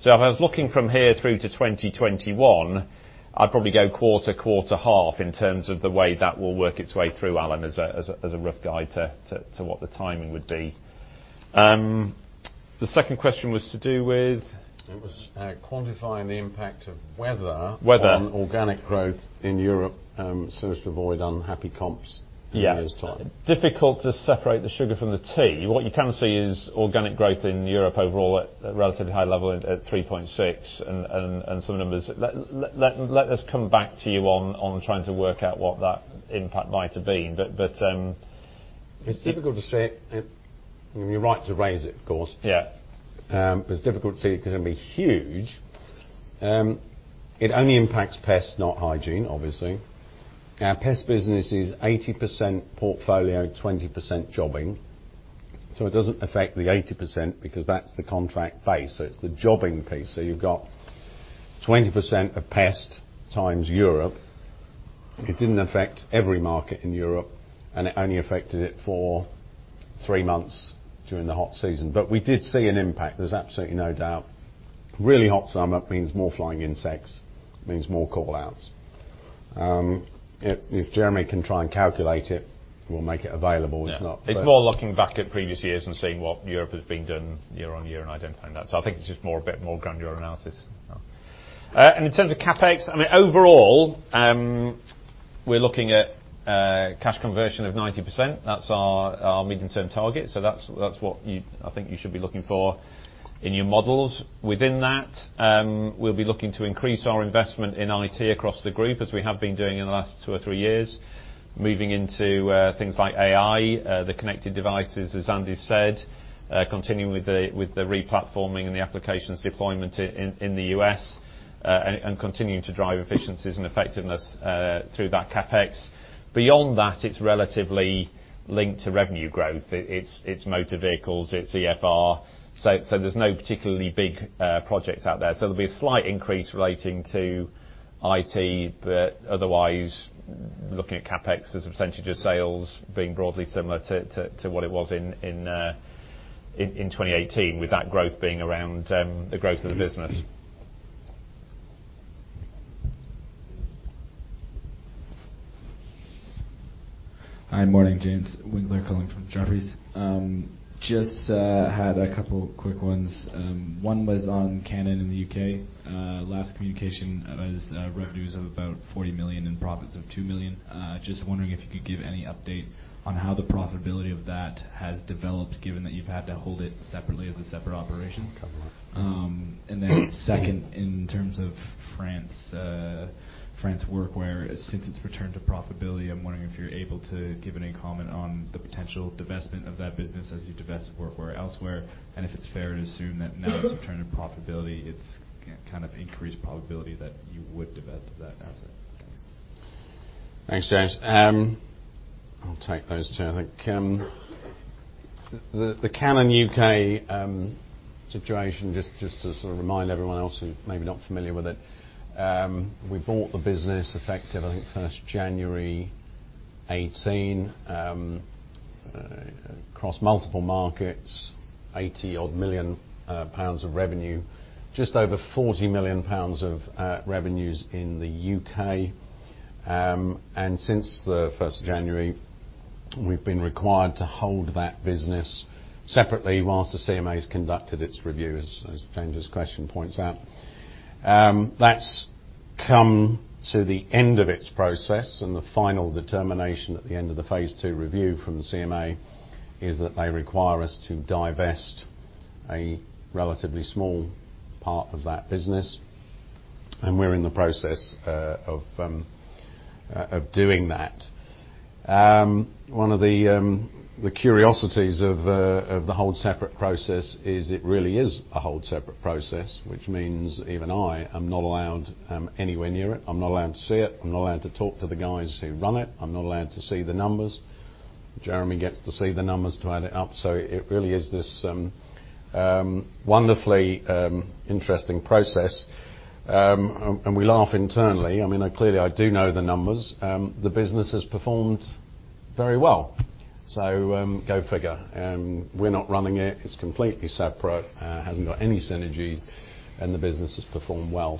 If I was looking from here through to 2021, I'd probably go quarter, half in terms of the way that will work its way through, Alan, as a rough guide to what the timing would be. The second question was to do with? It was quantifying the impact of weather- Weather on organic growth in Europe, so as to avoid unhappy comps in the nearest time. Yeah. Difficult to separate the sugar from the tea. What you can see is organic growth in Europe overall at relatively high level at 3.6, and some numbers. Let us come back to you on trying to work out what that impact might have been. It's difficult to say. You're right to raise it, of course. Yeah. It's difficult to say it couldn't be huge. It only impacts pest, not hygiene, obviously. Our pest business is 80% portfolio, 20% jobbing. It doesn't affect the 80% because that's the contract base. It's the jobbing piece. You've got 20% of pest times Europe. It didn't affect every market in Europe, and it only affected it for three months during the hot season. We did see an impact, there's absolutely no doubt. Really hot summer means more flying insects, means more call-outs. If Jeremy can try and calculate it, we'll make it available. It's more looking back at previous years and seeing what Europe has been doing year on year, and identifying that. I think it's just a bit more granular analysis. In terms of CapEx, overall we're looking at cash conversion of 90%. That's our medium-term target, so that's what I think you should be looking for in your models. Within that, we'll be looking to increase our investment in IT across the group as we have been doing in the last two or three years. Moving into things like AI, the connected devices, as Andy said, continuing with the re-platforming and the applications deployment in the U.S., and continuing to drive efficiencies and effectiveness through that CapEx. Beyond that, it's relatively linked to revenue growth. It's motor vehicles, it's EFR. There's no particularly big projects out there. There'll be a slight increase relating to IT, but otherwise, looking at CapEx as a percentage of sales being broadly similar to what it was in 2018, with that growth being around the growth of the business. Hi. Morning. James Winnek calling from Jefferies. Just had a couple quick ones. One was on Cannon in the U.K. Last communication was revenues of about 40 million and profits of two million. Just wondering if you could give any update on how the profitability of that has developed, given that you've had to hold it separately as a separate operation. It's coming up. Second, in terms of France Workwear, since its return to profitability, I'm wondering if you're able to give any comment on the potential divestment of that business as you divest Workwear elsewhere, and if it's fair to assume that now it's returned to profitability, it's kind of increased probability that you would divest of that asset. Thanks. Thanks, James. I'll take those two. I think the Cannon U.K. situation, just to sort of remind everyone else who may be not familiar with it. We bought the business effective, I think, 1st January 2018, across multiple markets, 80 odd million of revenue. Just over 40 million pounds of revenues in the U.K. Since the 1st of January, we've been required to hold that business separately whilst the CMA has conducted its review, as James' question points out. That's come to the end of its process, the final determination at the end of the phase 2 review from the CMA is that they require us to divest a relatively small part of that business, and we're in the process of doing that. One of the curiosities of the Hold Separate process is it really is a Hold Separate process, which means even I am not allowed anywhere near it. I'm not allowed to see it. I'm not allowed to talk to the guys who run it. I'm not allowed to see the numbers. Jeremy gets to see the numbers to add it up. It really is this wonderfully interesting process. We laugh internally. Clearly, I do know the numbers. The business has performed very well. Go figure. We're not running it. It's completely separate, hasn't got any synergies, the business has performed well.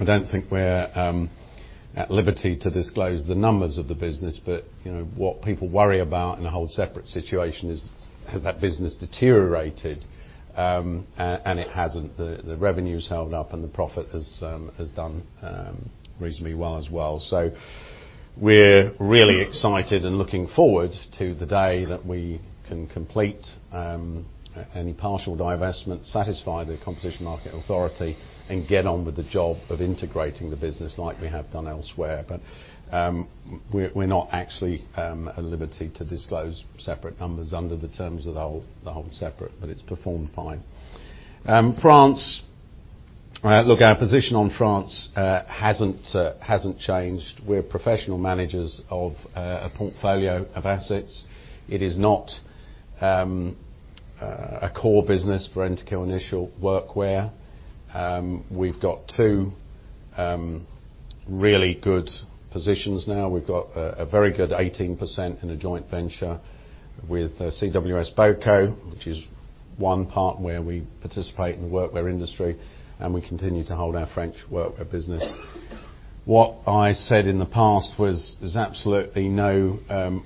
I don't think we're at liberty to disclose the numbers of the business, but what people worry about in a Hold Separate situation is, has that business deteriorated? It hasn't. The revenue's held up, and the profit has done reasonably well, as well. We're really excited and looking forward to the day that we can complete any partial divestment, satisfy the Competition and Markets Authority, and get on with the job of integrating the business like we have done elsewhere. We're not actually at liberty to disclose separate numbers under the terms of the Hold Separate, but it's performed fine. France. Look, our position on France hasn't changed. We're professional managers of a portfolio of assets. It is not a core business for Rentokil Initial Workwear. We've got two really good positions now. We've got a very good 18% in a joint venture with CWS-boco, which is one part where we participate in the Workwear industry, and we continue to hold our France Workwear business. What I said in the past was there's absolutely no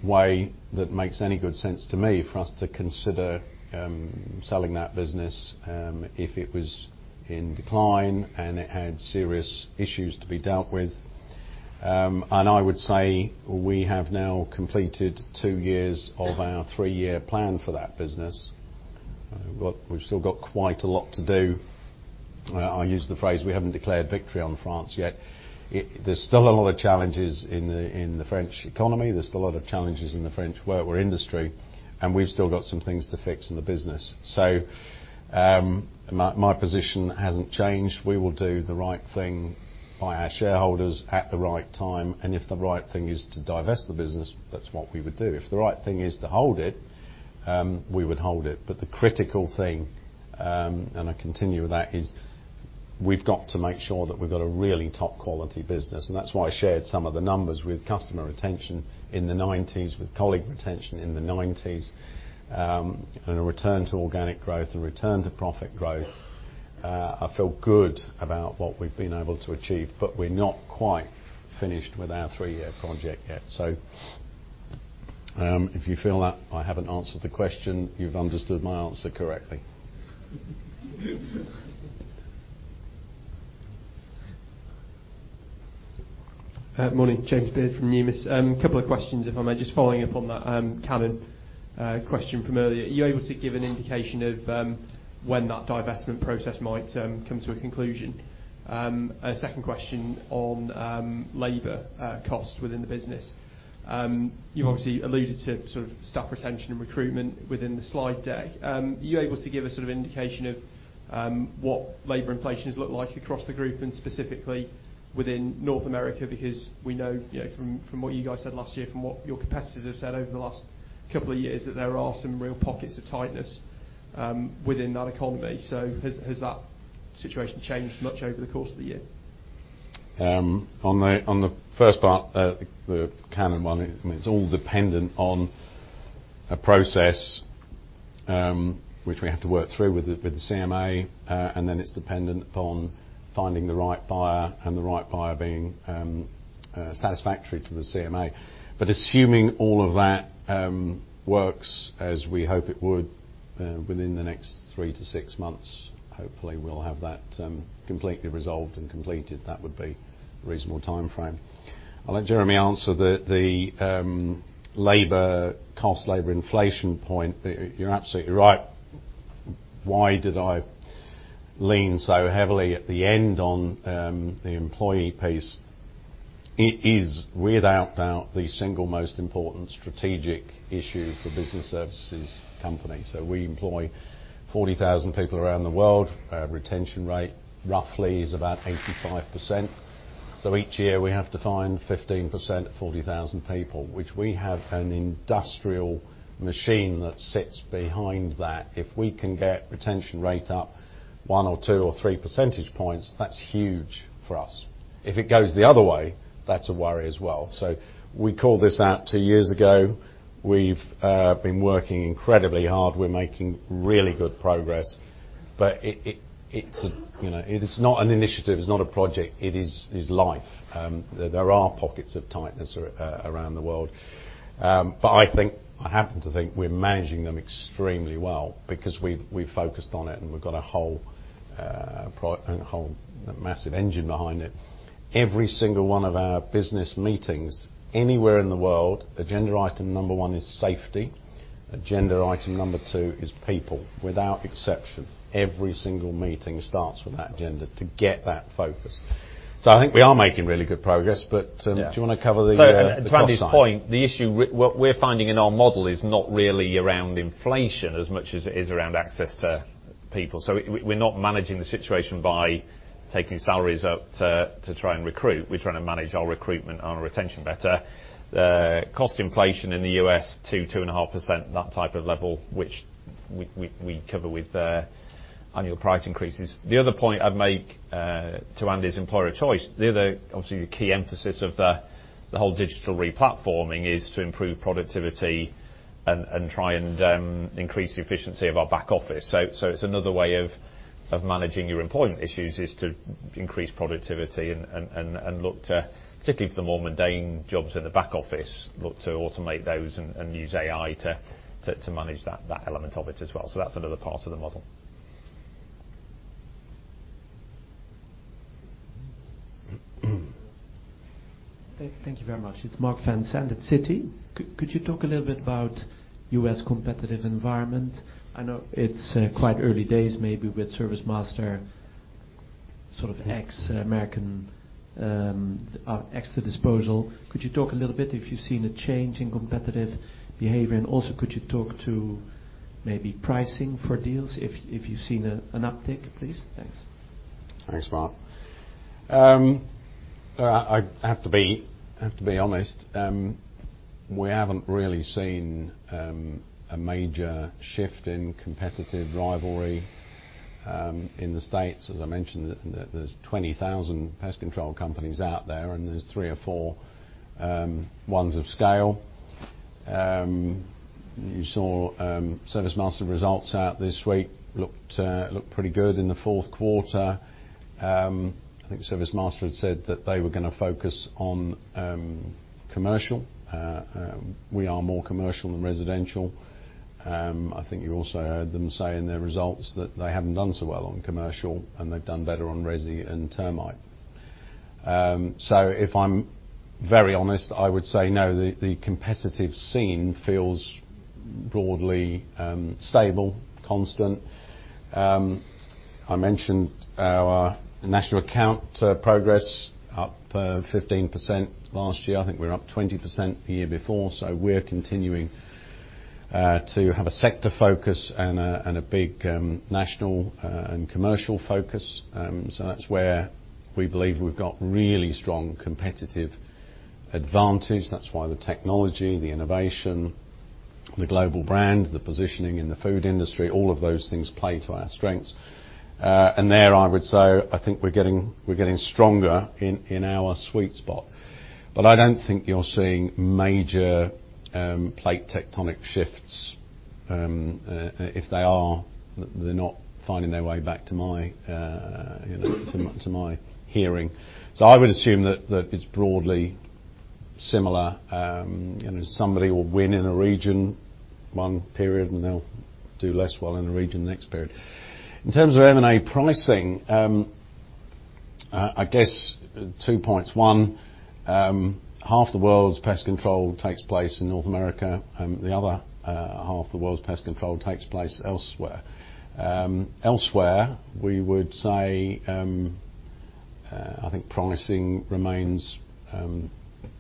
way that makes any good sense to me for us to consider selling that business if it was in decline and it had serious issues to be dealt with. I would say we have now completed two years of our three-year plan for that business. We've still got quite a lot to do. I use the phrase, we haven't declared victory on France yet. There's still a lot of challenges in the French economy. There's still a lot of challenges in the French workwear industry. We've still got some things to fix in the business. My position hasn't changed. We will do the right thing by our shareholders at the right time, and if the right thing is to divest the business, that's what we would do. If the right thing is to hold it, we would hold it. The critical thing, and I continue with that, is we've got to make sure that we've got a really top-quality business. That's why I shared some of the numbers with customer retention in the 90s, with colleague retention in the 90s, and a return to organic growth and return to profit growth. I feel good about what we've been able to achieve, but we're not quite finished with our three-year project yet. If you feel that I haven't answered the question, you've understood my answer correctly. Morning, James Beard from Numis. A couple of questions, if I may. Just following up on that Cannon question from earlier. Are you able to give an indication of when that divestment process might come to a conclusion? A second question on labor costs within the business. You've obviously alluded to staff retention and recruitment within the slide deck. Are you able to give a sort of indication of what labor inflations look like across the group and specifically within North America? Because we know from what you guys said last year, from what your competitors have said over the last couple of years, that there are some real pockets of tightness within that economy. Has that situation changed much over the course of the year? On the first part, the Cannon one, it's all dependent on a process which we have to work through with the CMA, and then it's dependent upon finding the right buyer and the right buyer being satisfactory to the CMA. Assuming all of that works as we hope it would within the next three to six months, hopefully we'll have that completely resolved and completed. That would be a reasonable timeframe. I'll let Jeremy answer the labor, cost labor inflation point. You're absolutely right. Why did I lean so heavily at the end on the employee piece? It is without doubt the single most important strategic issue for business services company. We employ 40,000 people around the world. Retention rate roughly is about 85%. Each year, we have to find 15% of 40,000 people, which we have an industrial machine that sits behind that. If we can get retention rate up one or two or three percentage points, that's huge for us. If it goes the other way, that's a worry as well. We called this out two years ago. We've been working incredibly hard. We're making really good progress. It is not an initiative. It's not a project. It is life. There are pockets of tightness around the world. I happen to think we're managing them extremely well because we focused on it and we've got a whole massive engine behind it. Every single one of our business meetings, anywhere in the world, agenda item number one is safety. Agenda item number two is people. Without exception. Every single meeting starts with that agenda to get that focus. I think we are making really good progress. Do you want to cover the cost side? To Andy's point, the issue what we're finding in our model is not really around inflation as much as it is around access to- people. We're not managing the situation by taking salaries up to try and recruit. We're trying to manage our recruitment and our retention better. Cost inflation in the U.S., 2%-2.5%, that type of level, which we cover with annual price increases. The other point I'd make to Andy's employer choice, the other obviously key emphasis of the whole digital re-platforming is to improve productivity and try and increase the efficiency of our back office. It's another way of managing your employment issues, is to increase productivity and look to, particularly for the more mundane jobs in the back office, look to automate those and use AI to manage that element of it as well. That's another part of the model. Thank you very much. It's Mark Van Sand at Citi. Could you talk a little bit about U.S. competitive environment? I know it's quite early days maybe with ServiceMaster sort of ex-American, ex the disposal. Could you talk a little bit if you've seen a change in competitive behavior, and also could you talk to maybe pricing for deals, if you've seen an uptick, please? Thanks. Thanks, Mark. I have to be honest, we haven't really seen a major shift in competitive rivalry in the U.S. As I mentioned, there's 20,000 Pest Control companies out there, and there's three or four ones of scale. You saw ServiceMaster results out this week looked pretty good in the fourth quarter. I think ServiceMaster had said that they were going to focus on commercial. We are more commercial than residential. I think you also heard them say in their results that they haven't done so well on commercial, and they've done better on resi and termite. If I'm very honest, I would say no, the competitive scene feels broadly stable, constant. I mentioned our national account progress, up 15% last year. I think we were up 20% the year before. We're continuing to have a sector focus and a big national and commercial focus. That's where we believe we've got really strong competitive advantage. That's why the technology, the innovation, the global brand, the positioning in the food industry, all of those things play to our strengths. There I would say, I think we're getting stronger in our sweet spot. I don't think you're seeing major plate tectonic shifts. If they are, they're not finding their way back to my hearing. I would assume that it's broadly similar. Somebody will win in a region one period, and they'll do less well in a region the next period. In terms of M&A pricing, I guess two points. One, half the world's Pest Control takes place in North America, and the other half the world's Pest Control takes place elsewhere. Elsewhere, we would say, I think pricing remains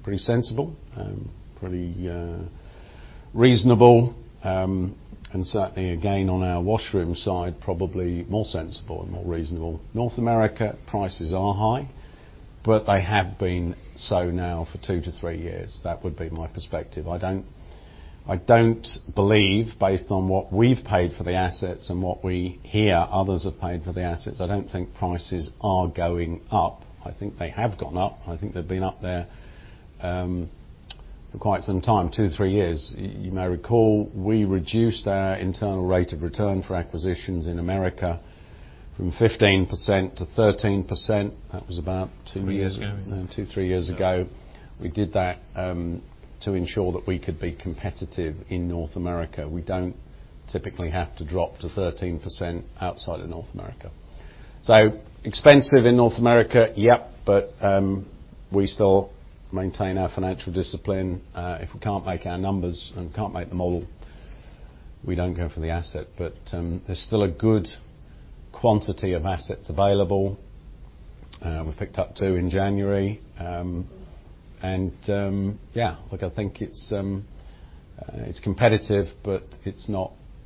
pretty sensible, pretty reasonable, and certainly again on our washroom side, probably more sensible and more reasonable. North America, prices are high, but they have been so now for two to three years. That would be my perspective. I don't believe, based on what we've paid for the assets and what we hear others have paid for the assets, I don't think prices are going up. I think they have gone up. I think they've been up there for quite some time, two, three years. You may recall, we reduced our internal rate of return for acquisitions in America from 15% to 13%. That was about two years ago. Three years ago. Two, three years ago. We did that to ensure that we could be competitive in North America. We don't typically have to drop to 13% outside of North America. Expensive in North America, yep, but we still maintain our financial discipline. If we can't make our numbers and can't make the model, we don't go for the asset. There's still a good quantity of assets available. We picked up two in January. Yeah, look, I think it's competitive, but it's not-